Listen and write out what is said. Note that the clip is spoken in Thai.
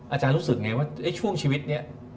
อาจารย์รู้สึกไงว่าช่วงชีวิตนี้